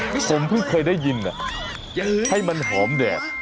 ผมเพิ่งเคยได้ยินให้มันหอมแดด